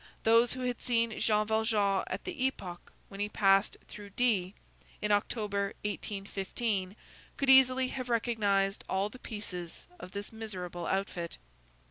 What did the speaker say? Those who had seen Jean Valjean at the epoch when he passed through D—— in October, 1815, could easily have recognized all the pieces of this miserable outfit.